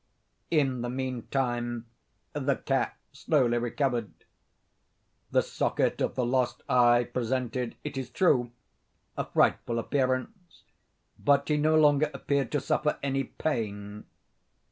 In the meantime the cat slowly recovered. The socket of the lost eye presented, it is true, a frightful appearance, but he no longer appeared to suffer any pain.